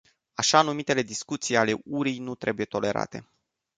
Așa-numitele discuții ale urii nu trebuie tolerate.